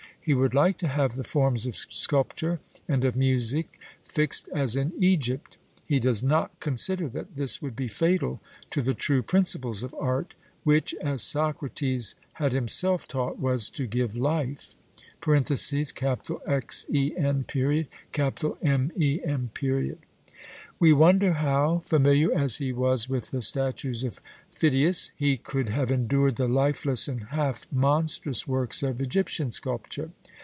He would like to have the forms of sculpture and of music fixed as in Egypt. He does not consider that this would be fatal to the true principles of art, which, as Socrates had himself taught, was to give life (Xen. Mem.). We wonder how, familiar as he was with the statues of Pheidias, he could have endured the lifeless and half monstrous works of Egyptian sculpture.